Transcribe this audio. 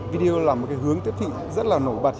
video là một cái hướng tiếp thị rất là nổi bật